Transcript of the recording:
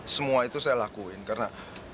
semua itu saya lakuin karena